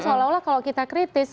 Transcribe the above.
seolah olah kalau kita kritis